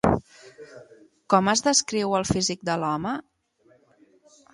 Com es descriu el físic de l'home?